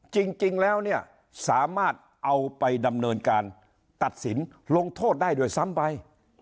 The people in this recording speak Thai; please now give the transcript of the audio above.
จริงแล้วเนี่ยสามารถเอาไปดำเนินการตัดสินลงโทษได้ด้วยซ้ำไป